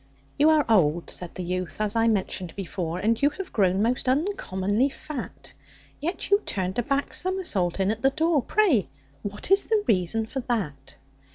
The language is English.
"You are old," said the youth, "as I mentioned before, And you have grown most uncommonly fat; Yet you turned a back somersault in at the door Pray what is the reason for that?"